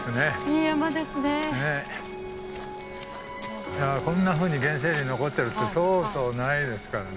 いやこんなふうに原生林残ってるってそうそうないですからね。